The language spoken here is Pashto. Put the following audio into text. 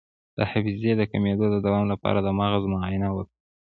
د حافظې د کمیدو د دوام لپاره د مغز معاینه وکړئ